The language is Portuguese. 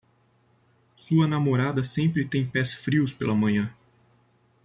Sua namorada sempre tem pés frios pela manhã.